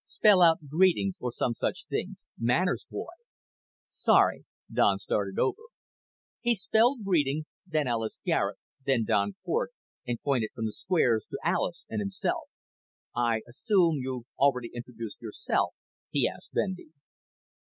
Spell out 'Greetings,' or some such things. Manners, boy." "Sorry." Don started over. He spelled GREETINGS, then ALIS GARET, then DON CORT, and pointed from the squares to Alis and himself. "I assume you've already introduced yourself?" he asked Bendy.